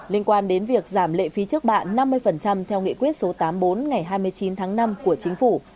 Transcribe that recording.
liên quan đến việc giảm lệ phí trước bạ năm mươi theo nghị quyết số tám mươi bốn ngày hai mươi chín tháng năm của chính phủ